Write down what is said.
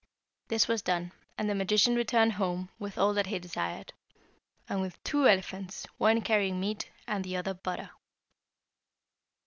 This was done, and the magician returned home with all that he desired, and with two elephants, one carrying meat, and the other butter.